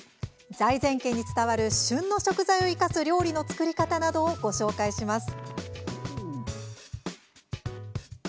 財前家に伝わる旬の食材を生かす料理の作り方などご紹介してます。